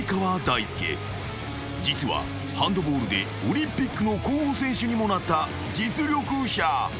［実はハンドボールでオリンピックの候補選手にもなった実力者］